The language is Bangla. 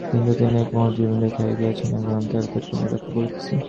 কিন্তু তিনি এক মহৎ জীবন দেখাইয়া গিয়াছেন এবং আমি তাহার তাৎপর্য ব্যাখ্যা করিতেছি।